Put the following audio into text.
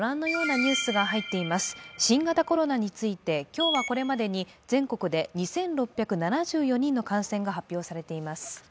新型コロナについて今日はこれまでに全国で２６７４人の感染が発表されています。